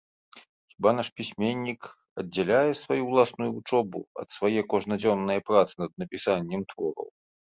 Хіба наш пісьменнік аддзяляе сваю ўласную вучобу ад свае кожнадзённае працы над напісаннем твораў?